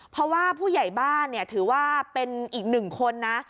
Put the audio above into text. เพราะว่าผู้ใหญ่บ้านถือว่าเป็นอีกหนึ่งคนนะ